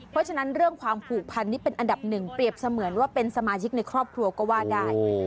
เพราะฉะนั้นเรื่องความผูกพันนี่เป็นอันดับหนึ่งเปรียบเสมือนว่าเป็นสมาชิกในครอบครัวก็ว่าได้